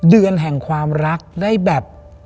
เดือนแห่งความรักได้แบบ